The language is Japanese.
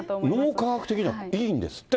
科学的にはいいんですって。